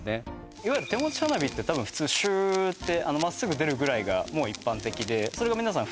いわゆる手持ち花火って多分普通シューってまっすぐ出るぐらいがもう一般的でそれがみなさん